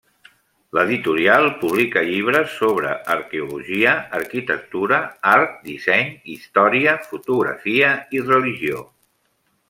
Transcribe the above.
L'editorial publica llibres sobre arqueologia, arquitectura, art, disseny, història, fotografia i religió.